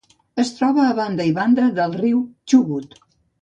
Es troba a banda i banda del riu Chubut.